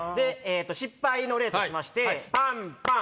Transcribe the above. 失敗の例としてパンパン！